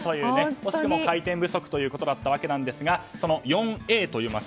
惜しくも回転不足ということだったわけなんですがその「ヨンエー」といいます